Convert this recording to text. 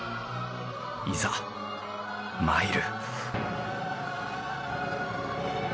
いざ参る